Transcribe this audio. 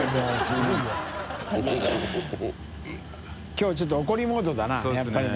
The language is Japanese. きょうちょっと怒りモードだなやっぱりな。